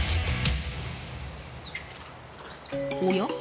おや？